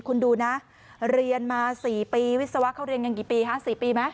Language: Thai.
คุณดูนะเรียนมา๔ปีวิศวะเขาเรียนกันกี่ปีคะ๔ปีไหม